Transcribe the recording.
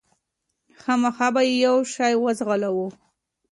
خامخا به یې یو شی وو ځغلولی